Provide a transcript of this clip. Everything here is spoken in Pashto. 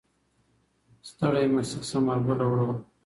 ستړی مه شې ثمر ګله وروره.